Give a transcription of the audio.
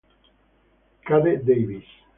Cade Davis